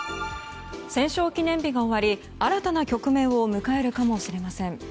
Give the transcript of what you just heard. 戦勝記念日が終わり新たな局面を迎えるかもしれません。